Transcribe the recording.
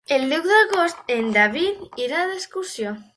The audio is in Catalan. El deu d'agost en David irà d'excursió.